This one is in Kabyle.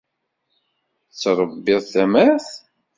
Tettṛebbiḍ tamart?